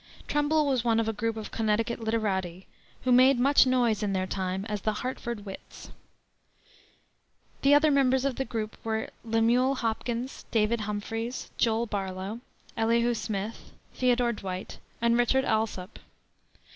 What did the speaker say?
Trumbull was one of a group of Connecticut literati, who made much noise in their time as the "Hartford Wits." The other members of the group were Lemuel Hopkins, David Humphreys, Joel Barlow, Elihu Smith, Theodore Dwight, and Richard Alsop.